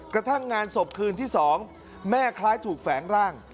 กระทั่งงานศพคืนที่๒แม่คล้ายถูกแฝงร่าง